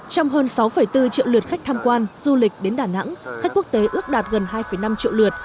trong hơn sáu bốn triệu lượt khách tham quan du lịch đến đà nẵng khách quốc tế ước đạt gần hai năm triệu lượt